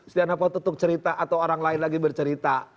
setiap nama tertutup cerita atau orang lain lagi bercerita